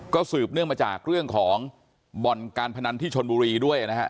ก็สืบเนื่องมาจากเรื่องของบ่อนการพนันที่ชนบุรีด้วยนะฮะ